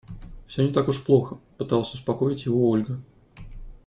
«Всё не так уж плохо», - пыталась успокоить его Ольга.